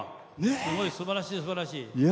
すごい、すばらしい、すばらしい。